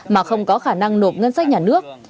mà không có khả năng nộp ngân sách nhà nước